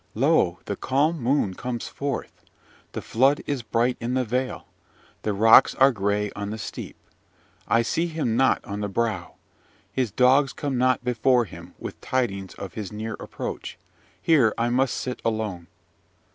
Lo! the calm moon comes forth. The flood is bright in the vale. The rocks are gray on the steep. I see him not on the brow. His dogs come not before him with tidings of his near approach. Here I must sit alone!